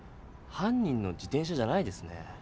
犯人の自転車じゃないですね。